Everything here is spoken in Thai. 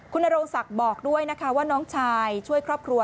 คุณนโรงศักดิ์บอกด้วยนะคะว่าน้องชายช่วยครอบครัว